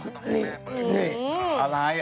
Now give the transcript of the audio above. เรนี่อะไรเดี๋ยวนี่ก่อนครูหนุ่ม